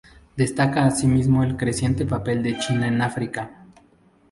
Destaca asimismo el creciente papel de China en África.